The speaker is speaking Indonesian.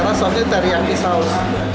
karena sausnya teriyaki saus